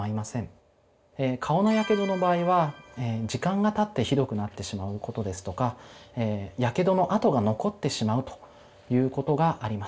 え顔のやけどの場合は時間がたってひどくなってしまうことですとかやけどの痕が残ってしまうということがあります。